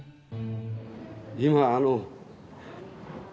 今あの。